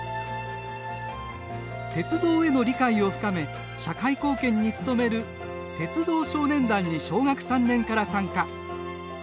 鉄道への理解を深め社会貢献に努める鉄道少年団に小学３年から参加。